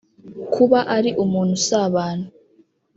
Kuba ari umuntu usabana